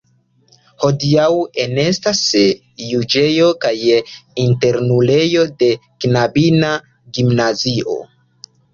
Hodiaŭ enestas juĝejo kaj internulejo de knabina gimnazio.